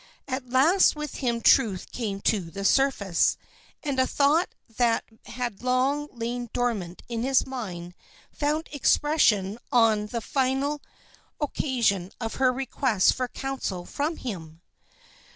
At last with him truth came to the surface, and a thought that had long lain dormant in his mind found expression on the final occasion of her request for counsel from him.